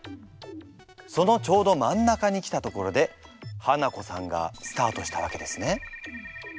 そのちょうど真ん中に来たところでハナコさんがスタートしたわけですね。